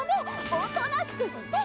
おとなしくしてて！